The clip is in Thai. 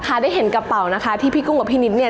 ได้เห็นกระเป๋านะคะที่พี่กุ้งกับพี่นิดเนี่ย